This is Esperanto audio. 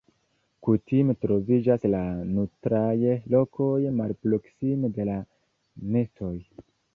Kutime troviĝas la nutraj lokoj malproksime de la nestoj.